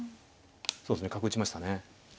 そうですね角打ちましたね。